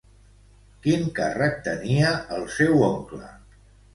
Quin càrrec tenia el seu oncle?